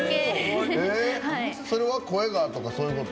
それは声がとかそういうこと？